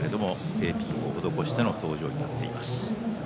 テーピングを施しての登場になっています。